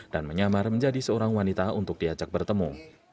dan menyamar menjadi seorang wanita untuk diajak bertemu